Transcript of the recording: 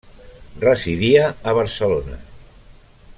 Residia a Barcelona.